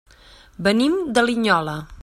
Venim de Linyola.